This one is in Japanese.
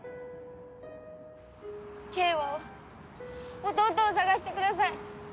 景和を弟を捜してください！